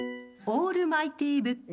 オールマイティーなブック？